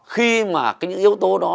khi mà những yếu tố đó